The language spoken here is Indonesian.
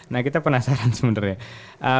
nah kita penasaran sebenarnya